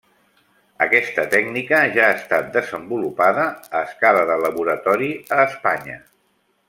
Aquesta tècnica ja ha estat desenvolupada a escala de laboratori a Espanya.